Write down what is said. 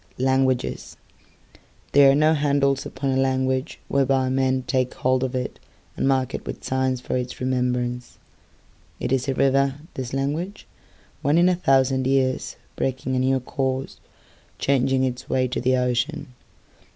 Languages THERE are no handles upon a languageWhereby men take hold of itAnd mark it with signs for its remembrance.It is a river, this language, Once in a thousand yearsBreaking a new courseChanging its way to the ocean.